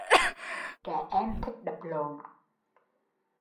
Trẻ em thích đập lộn